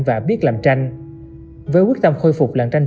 và biết làm tranh với quyết tâm khôi phục làng tranh